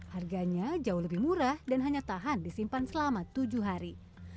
harganya jauh lebih murah dan hanya tahan disimpan selama tujuh hari